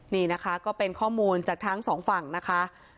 นี่นะคะก็เป็นข้อมูลจากทั้งสองฝั่งนะคะ